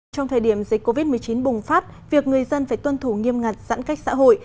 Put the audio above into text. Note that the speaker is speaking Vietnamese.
trong thời điểm dịch covid một mươi chín bùng phát việc người dân phải tuân thủ nghiêm ngặt giãn cách xã hội